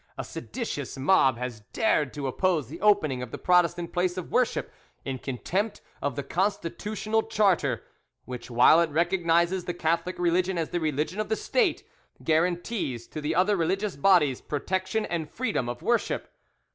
A seditious mob has dared to oppose the opening of the Protestant place of worship, in contempt of the constitutional charter, which while it recognises the Catholic religion as the religion of the State, guarantees to the other religious bodies protection and freedom of worship.